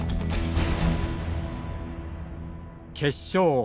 決勝。